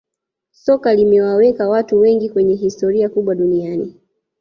soka limewaweka watu wengi kwenye historia kubwa duniani